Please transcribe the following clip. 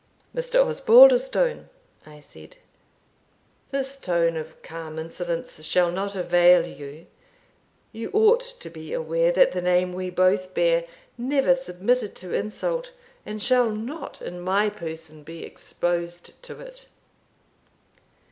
"Mr. Osbaldistone," I said, "this tone of calm insolence shall not avail you. You ought to be aware that the name we both bear never submitted to insult, and shall not in my person be exposed to it."